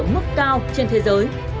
ở mức cao trên thế giới